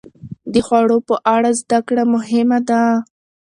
د خوړو په اړه زده کړه مهمه ده.